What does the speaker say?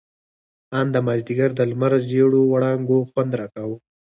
ان د مازديګر د لمر زېړو وړانګو خوند راکاوه.